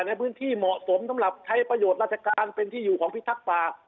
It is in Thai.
ในพื้นที่เหมาะสมสำหรับใช้ประโยชน์ราชการเป็นที่อยู่ของพิทักษ์ป่า